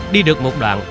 đi được một đoạn